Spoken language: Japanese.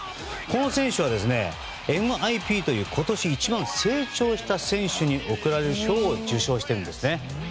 この選手はＭＩＰという今年一番成長した選手に贈られる賞を受賞しているんですね。